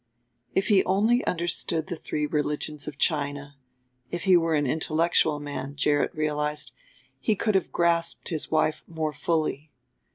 If he only understood the three religions of China, if he were an intellectual man, Gerrit realized, he could have grasped his wife more fully.